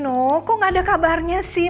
nino kok nggak ada kabarnya sih